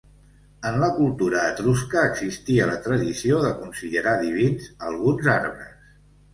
En la cultura etrusca existia la tradició de considerar divins alguns arbres.